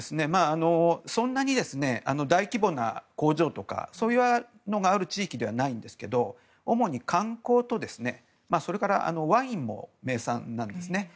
そんなに大規模な工場とかそういうのがある地域ではないんですけど主に観光と、それからワインも原産なんですね。